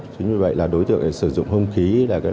chính vì vậy là đối tượng sử dụng hông khí là